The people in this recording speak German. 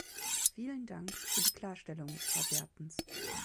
Vielen Dank für die Klarstellung, Herr Bertens.